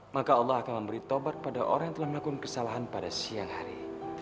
maka allah akan memberi taubat pada orang yang telah melakukan kesalahan pada siang hari